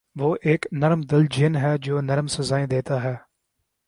وہ ایک نرم دل جج ہے جو نرم سزایئں دیتا `ہے